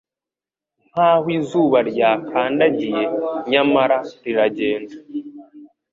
Nkaho izuba ryakandagiye, nyamara riragenda